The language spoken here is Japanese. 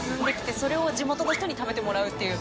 それを地元の人に食べてもらうっていう。